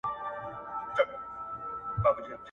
وطن به هلته سور او زرغون سي ..